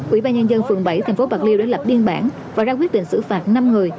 ủy ban nhân dân phường bảy tp bạc liêu đã lập biên bản và ra quyết định xử phạt năm người